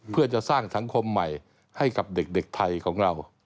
เพื่อจะสร้างสังคมใหม่ให้กับเด็กไทยของเรา